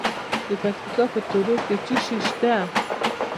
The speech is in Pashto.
د پکتیکا په تروو کې څه شی شته؟